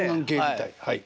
はい。